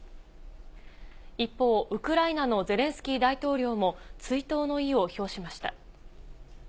一方、ウクライナのゼレンスキー大統領も、追悼の意を表しました。